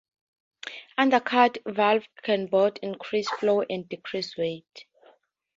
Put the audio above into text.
Undercut valves can both increase flow and decrease weight.